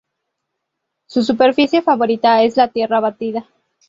Su superficie favorita es la tierra batida.